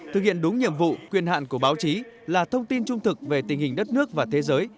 thực hiện đúng nhiệm vụ quyền hạn của báo chí là thông tin trung thực về tình hình đất nước và thế giới